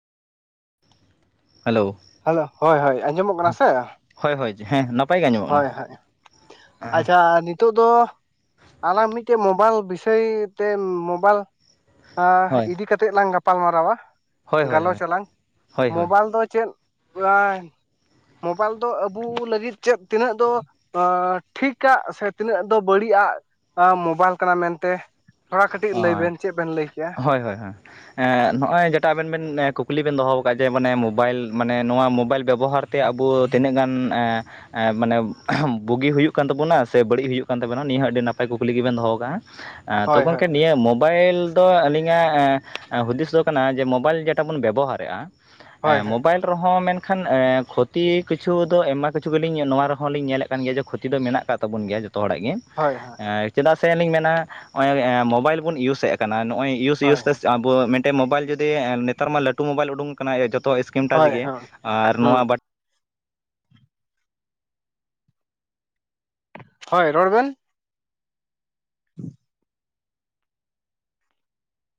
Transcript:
Hello hello ᱦᱳᱭ ᱦᱳᱭ ᱟᱸᱡᱚᱢᱚᱜ ᱠᱟᱱᱟ ᱥᱮ? ᱦᱳᱭ ᱦᱳᱭ ᱦᱮᱸ ᱱᱟᱯ ᱦᱳᱭ ᱦᱳᱭ ᱟᱪᱪᱷᱟ ᱱᱤᱛ ᱱᱤᱛᱚᱜ ᱫᱚ ᱟᱞᱟᱝ ᱢᱤᱫᱴᱮᱡ ᱢᱳᱵᱟᱭᱤᱞ ᱵᱤᱥᱚᱭ ᱛᱮ ᱢᱳᱵᱟᱭᱤᱞ ᱦᱳᱭ ᱤᱫᱤ ᱠᱟᱛᱮᱫ ᱞᱟᱝ ᱜᱟᱯᱟᱞ ᱢᱟᱨᱟᱣᱟ ᱦᱳᱭ ᱦᱳᱭ ᱦᱳᱭ ᱜᱟᱞᱚᱪᱟᱞᱟᱝ ᱦᱳᱭ ᱦᱳᱭ ᱢᱳᱵᱟᱭᱤᱞ ᱫᱚ ᱪᱮᱫ ᱢᱳᱵᱟᱭᱤᱞ ᱫᱚ ᱟᱵᱩ ᱞᱟᱹᱜᱤᱫ ᱪᱮᱫ ᱛᱤᱱᱟᱹᱜ ᱫᱚ ᱴᱷᱤᱠᱟᱜ-ᱟ ᱥᱮ ᱛᱤᱱᱟᱹᱜ ᱫᱚ ᱵᱟᱹᱲᱤᱡ ᱟᱜ ᱢᱳᱵᱟᱭᱤᱞ ᱠᱟᱱᱟ ᱢᱮᱱᱛᱮ ᱛᱷᱚᱲᱟ ᱠᱟᱹᱴᱤᱡ ᱞᱟᱹᱭ ᱵᱮᱱ ᱪᱮᱫ ᱵᱮᱱ ᱞᱟᱹᱭ ᱠᱮᱭᱟ? ᱦᱳᱭ ᱦᱳᱭ ᱦᱳᱭ ᱦᱮ ᱱᱚᱜᱼᱚᱭ ᱡᱮᱴᱟ ᱟᱵᱮᱱ ᱵᱮᱱ ᱠᱩᱠᱞᱤ ᱵᱮᱱ ᱫᱚᱦᱚ ᱟᱠᱟᱫ ᱡᱮ ᱢᱟᱱᱮ ᱢᱳᱵᱟᱭᱤᱞ ᱢᱟᱱᱮ ᱱᱚᱣᱟ ᱢᱳᱵᱟᱭᱤᱞ ᱵᱮᱵᱚᱦᱟᱨ ᱛᱮ ᱟᱵᱚ ᱛᱤᱱᱟᱹᱜ ᱜᱟᱱ ᱮ ᱢᱟᱱᱮ ᱵᱩᱜᱤ ᱦᱩᱭᱩᱜ ᱠᱟᱱ ᱛᱟᱵᱚᱱᱟ ᱥᱮ ᱵᱟᱹᱲᱤᱡ ᱦᱩᱭᱩᱜ ᱠᱟᱱ ᱛᱟᱵᱚᱴᱤᱱᱟ ᱱᱤᱭᱟᱹ ᱦᱚᱸ ᱟᱹᱰᱤ ᱱᱟᱯᱟᱭ ᱠᱩᱠᱞᱤ ᱜᱮᱵᱮᱱ ᱫᱚᱦᱚ ᱠᱟᱜᱼᱟ᱾ [inaudible] ᱛᱚ ᱜᱚᱝᱠᱮ ᱱᱤᱭᱟᱹ ᱢᱳ ᱵᱟᱭᱤᱞ ᱫᱚ ᱟᱹᱞᱤᱧᱟᱜ ᱦᱩᱫᱤᱥ ᱫᱚ ᱠᱟᱱᱟ ᱡᱮ ᱢᱳᱚᱵᱟᱭᱤᱞ ᱡᱮᱴᱟ ᱵᱚᱱ ᱵᱮᱵᱚᱦᱟᱨᱮᱫᱼᱟ ᱦᱳᱭ ᱮ ᱦᱳᱭ ᱢᱳᱵᱟᱭᱤᱞ ᱨᱮᱦᱚᱸ ᱢᱮᱱᱠᱷᱟᱱ ᱠᱷᱚᱛᱤ ᱠᱤᱪᱷᱩ ᱫᱚ ᱟᱭᱢᱟ ᱠᱤᱪᱷᱩ ᱜᱮᱞᱤᱧ ᱱᱚᱣᱟ ᱨᱮᱦᱚᱸ ᱞᱤᱧ ᱧᱮᱞᱮᱫ ᱠᱟᱱ ᱜᱮᱭᱟ ᱡᱮ ᱠᱷᱚᱛᱤ ᱫᱚ ᱢᱮᱱᱟᱜ ᱟᱠᱟᱫ ᱠᱚ ᱛᱟᱵᱚᱱ ᱜᱮᱭᱟ ᱡᱚᱛᱚ ᱦᱚᱲᱟᱜ ᱜᱮ᱾ ᱦᱳᱭ ᱦᱳᱭ ᱪᱮᱫᱟᱜ ᱥᱮᱞᱤᱧ ᱢᱮᱱᱟ ᱦᱚᱜᱼᱚᱭ ᱢᱳᱵᱟᱭᱤᱞ ᱵᱚᱱ ᱤᱭᱩᱥᱮᱫ ᱠᱟᱱᱟ ᱱᱚᱜᱼᱚᱭ ᱤᱭᱩᱥ ᱦᱳᱭ ᱦᱳᱭ ᱦᱳᱭ ᱤᱭᱩᱥᱛᱮ ᱟᱵᱚ ᱢᱤᱫ ᱴᱮᱱ ᱢᱳᱵᱟᱭᱤᱞ ᱡᱩᱫᱤ ᱱᱮᱛᱟᱨ ᱢᱟ ᱞᱟᱹᱴᱩ ᱢᱳᱵᱟᱭᱤᱞ ᱩᱰᱩᱝ ᱟᱠᱟᱱᱟ ᱡᱚᱛᱚ ᱤᱥᱠᱤᱢ ᱴᱟᱡᱽ ᱦᱳᱭ ᱜᱮ ᱦᱳᱭ ᱟᱨ ᱦᱳᱭ ᱱᱚᱣᱟ ᱦᱳᱭ ᱨᱚᱲ ᱵᱮᱱ [inaudible]